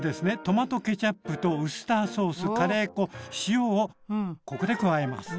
トマトケチャップとウスターソースカレー粉塩をここで加えます。